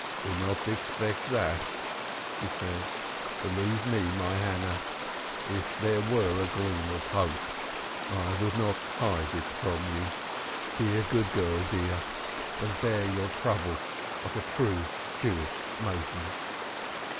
"Do not expect that," he said. "Believe me, my Hannah, if there were a gleam of hope I would not hide it from you. Be a good girl, dear, and bear your trouble like a true Jewish maiden.